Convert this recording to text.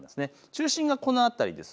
中心がこの辺りです。